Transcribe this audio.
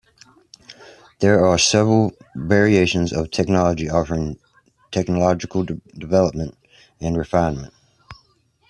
There are several variations of the technology offering technological development and refinement.